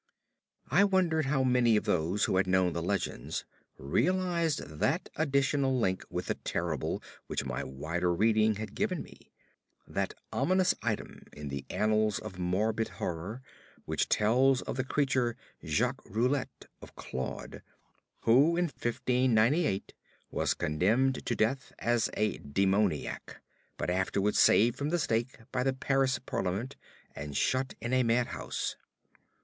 I wondered how many of those who had known the legends realized that additional link with the terrible which my wider reading had given me; that ominous item in the annals of morbid horror which tells of the creature Jacques Roulet, of Caude, who in 1598 was condemned to death as a demoniac but afterward saved from the stake by the Paris parliament and shut in a madhouse.